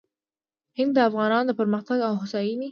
هند د افغانانو د پرمختګ او هوساینې